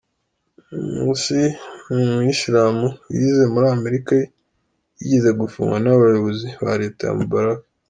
Mursi, ni Umuyisilamu wize muri Amerika, yigeze gufungwa n’abayobozi ba Leta ya Mubarak.